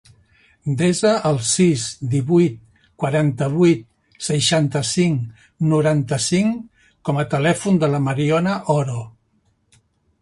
Desa el sis, divuit, quaranta-vuit, seixanta-cinc, noranta-cinc com a telèfon de la Mariona Oro.